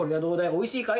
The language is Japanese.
おいしいかい？